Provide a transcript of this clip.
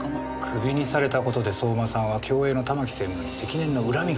クビにされた事で相馬さんは共映の玉木専務に積年の恨みがあった。